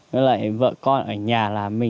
với lại vợ con ở nhà là